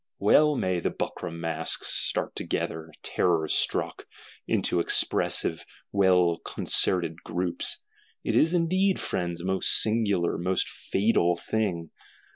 _ Well may the buckram masks start together, terror struck; "into expressive well concerted groups!" It is indeed, Friends, a most singular, most fatal thing.